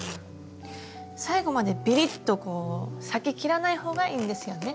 最後までビリッとこう裂き切らない方がいいんですよね。